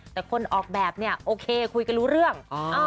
แต่คนออกแบบเนี่ยโอเคคุยกันรู้เรื่อง